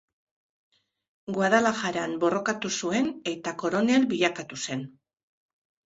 Guadalajaran borrokatu zuen eta koronel bilakatu zen.